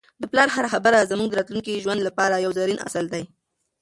د پلار هره خبره زموږ د راتلونکي ژوند لپاره یو زرین اصل دی.